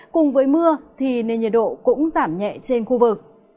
cùng với mưa thì nền nhiệt độ cũng giảm nhẹ trên khu vực